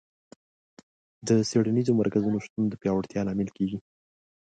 د څېړنیزو مرکزونو شتون د پیاوړتیا لامل کیږي.